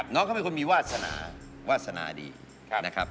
น้องเขาเป็นคนมีวาสนาวาสนาดีนะครับ